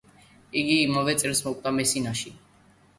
იგი იმავე წელს მოკვდა მესინაში.